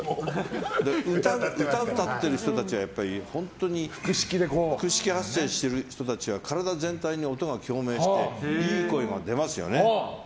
歌を歌ってる人たちはやっぱり本当に腹式発声している人たちは体全体に音が共鳴していい声が出ますよね。